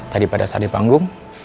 tadi pada saat di panggung